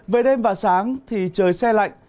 về đêm và sáng thì trời xe lạnh